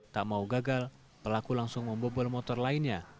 tak mau gagal pelaku langsung membobol motor lainnya